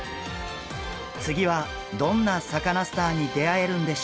次はどんなサカナスターに出会えるんでしょうか。